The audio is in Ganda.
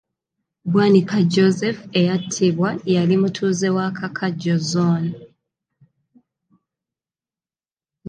Bwanika Joseph eyattibwa yali mutuuze wa kakajjo zone.